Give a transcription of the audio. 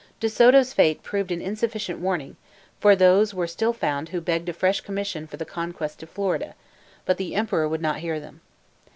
De Soto's fate proved an insufficient warning, for those were still found who begged a fresh commission for the conquest of Florida; but the Emperor would not hear them.